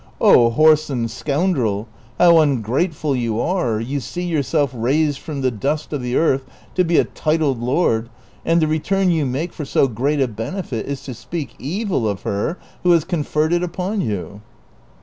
0 whoreson scoundrel, how ungrateful you are, you see yourself raised from the dust of the earth to be a titled lord, and the return you make for so great a benefit is to speak evil of her who has conferred it upon you